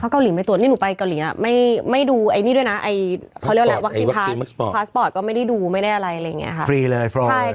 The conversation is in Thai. เค้าเกาหลีจะมาตรวจระเออหนูไปเกาหลีไม่ดูไอ้ภาษาโภคก็ไม่มาดูเนี่ย